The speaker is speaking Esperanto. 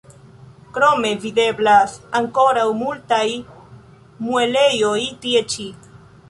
Krome videblas ankoraŭ multaj muelejoj tie ĉi.